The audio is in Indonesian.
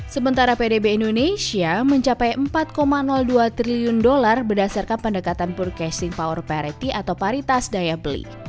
sementara pdb indonesia mencapai empat dua triliun dolar berdasarkan pendekatan purcasing power parity atau paritas daya beli